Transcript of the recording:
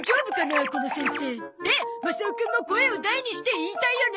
この先生。ってマサオくんも声を大にして言いたいよね。